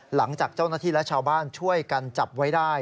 หลังจากเจ้าหน้าที่และชาวบ้านช่วยกันจับไว้ได้